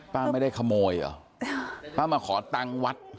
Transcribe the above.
ป้าไม่ได้ขโมยเหรอป้ามาขอตังค์วัด